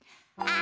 あ！